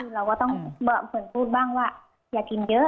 เราก็ต้องเหมือนพูดบ้างว่าอย่ากินเยอะ